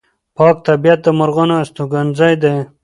پاک طبیعت د مرغانو استوګنځی دی.